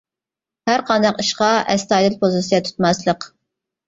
ھەر قانداق ئىشقا ئەستايىدىل پوزىتسىيە تۇتماسلىق.